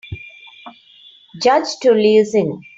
Judge Tully is in.